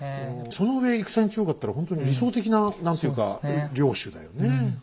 そのうえ戦に強かったらほんとに理想的な何ていうか領主だよね。